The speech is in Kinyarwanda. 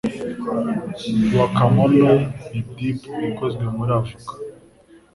Guacamole ni dip ikozwe muri avoka.